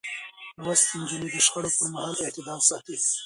لوستې نجونې د شخړو پر مهال اعتدال ساتي.